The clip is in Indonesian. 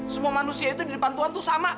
semua manusia itu di depan tuhan itu sama